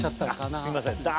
すいません